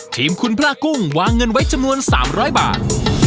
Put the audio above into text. ทีมคุณพระกุ้งวางเงินไว้จำนวน๓๐๐บาท